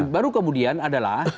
baru kemudian adalah